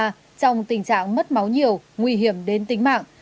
trong tình trạng mất máu nhiều nguy hiểm đến tính mạng